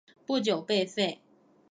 不久被废。